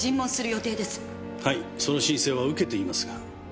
はいその申請は受けていますが。